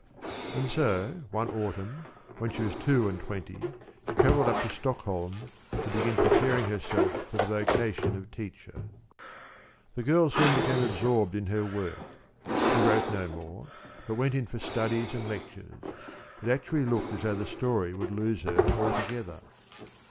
And so, one autumn, when she was two and twenty, she travelled up to Stockholm to begin preparing herself for the vocation of teacher. The girl soon became absorbed in her work. She wrote no more, but went in for studies and lectures. It actually looked as though the story would lose her altogether.